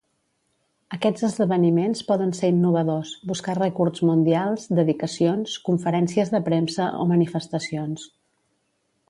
Aquests esdeveniments poden ser innovadors, buscar rècords mundials, dedicacions, conferències de premsa o manifestacions.